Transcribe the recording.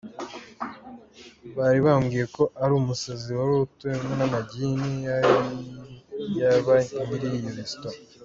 Bari bambwiye ko ari umusazi wari utuwemo n’amagini ya ba nyiri iyo restaurant.